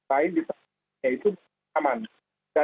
ini anda bisa mengetahuinya dan ngelendak biasanya